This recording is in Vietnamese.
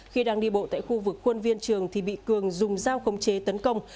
khi đang đi bộ tại khu vực quân viên trường thì bị cường dùng dao khống chế tấn công